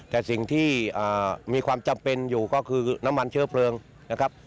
แต่สิ่งที่มีความจำเป็นอยู่ก็คือน้ำมันเชื้อเพลิงนะครับ